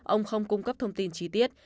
ông không cung cấp thông tin trí tiết